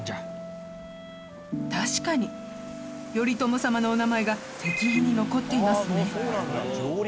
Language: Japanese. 確かに頼朝様のお名前が石碑に残っていますね。